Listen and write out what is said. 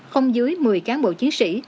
không dưới một mươi cán bộ chiến sĩ